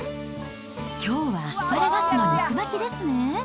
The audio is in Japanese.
きょうはアスパラガスの肉巻きですね。